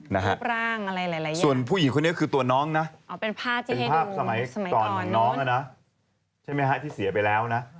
นะฮะส่วนผู้หญิงคนนี้คือตัวน้องนะเป็นภาพสมัยก่อนของน้องนะใช่ไหมฮะที่เสียไปแล้วนะ